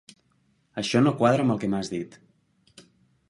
Això no quadra amb el que m'has dit.